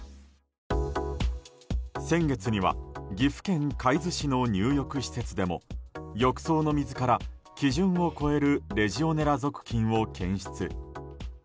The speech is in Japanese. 先月には岐阜県海津市の入浴施設でも浴槽の水から基準を超えるレジオネラ属菌を検出。